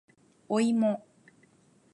おいも